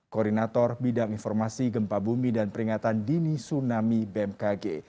koordinator bidang informasi gempa bumi dan peringatan dini tsunami bmkg